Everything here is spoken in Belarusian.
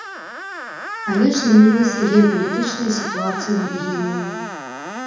Але ж змянілася геапалітычная сітуацыя ў рэгіёне.